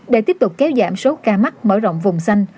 để tiếp tục kéo giảm số ca mắc mở rộng vùng xanh